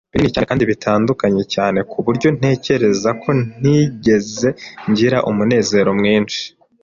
binini cyane kandi bitandukanye cyane kuburyo ntekereza ko ntigeze ngira umunezero mwinshi